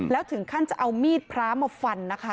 แล้วถึงขั้นจะเอามีดพระมาฟันนะคะ